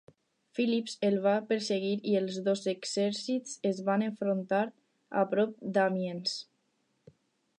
Philips el va perseguir i els dos exèrcits es van enfrontar a prop d'Amiens.